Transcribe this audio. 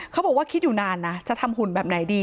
เขาบอกว่าคิดอยู่นานนะจะทำหุ่นแบบไหนดี